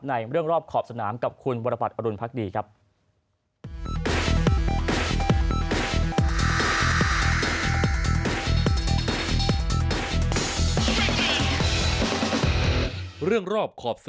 ในเรื่องรอบขอบสนามกับคุณวรบัตรอรุณพักดีครับ